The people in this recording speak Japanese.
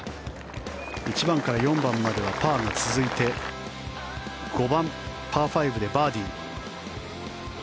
１番から４番まではパーが続いて５番、パー５でバーディー。